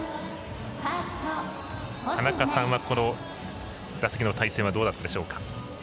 田中さんはこの打席の対戦はどうだったでしょうか。